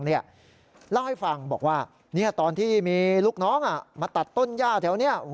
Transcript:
เล่าให้ฟังบอกว่าตอนที่มีลูกน้องมาตัดต้นย่าแถวนี้